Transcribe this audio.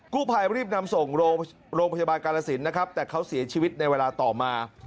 ผู้ภัยรีบนำส่งโรงพยาบาลกาลสินนะครับแต่เขาเสียชีวิตในเวลาต่อมา